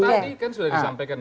tadi kan sudah disampaikan